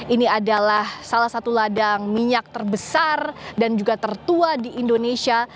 ini adalah salah satu ladang minyak terbesar dan juga tertua di indonesia